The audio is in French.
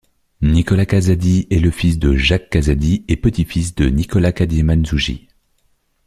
Nicolas Kazadi est le fils de Jacques Kazadi et petit-fils de Nicolas Kadima-Nzuji.